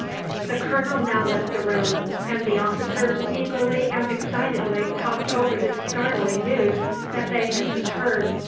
The colonel now left the room, and the officers eagerly and excitedly talked over the startling news that they had just heard.